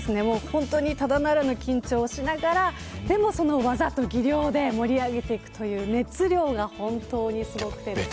本当に、ただならぬ緊張をしながらでも、その技と技量で盛り上げていくという熱量が本当にすごくてですね。